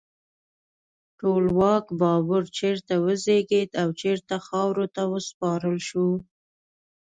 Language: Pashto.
ټولواک بابر چیرته وزیږید او چیرته خاورو ته وسپارل شو؟